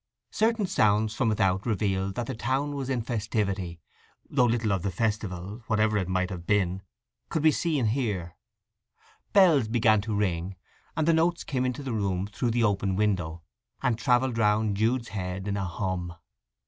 Certain sounds from without revealed that the town was in festivity, though little of the festival, whatever it might have been, could be seen here. Bells began to ring, and the notes came into the room through the open window, and travelled round Jude's head in a hum.